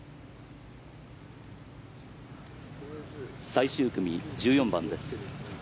最終組、１４番です。